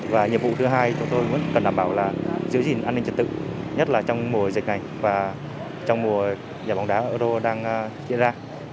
và nhiệm vụ thứ hai chúng tôi muốn cần đảm bảo là giữ gìn an ninh trật tự nhất là trong mùa dịch này và trong mùa giải bóng đá euro đang diễn ra